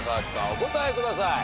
お答えください。